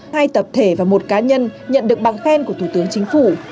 hai tập thể và một cá nhân nhận được bằng khen của thủ tướng chính phủ